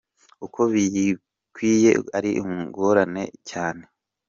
Uko yibwiyeko ari mu ngorane cyane